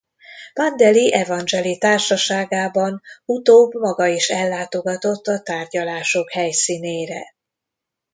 Pandeli Evangjeli társaságában utóbb maga is ellátogatott a tárgyalások helyszínére.